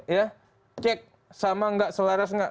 ya cek sama enggak selaras enggak